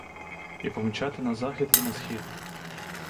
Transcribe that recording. І помчати на захід і на схід.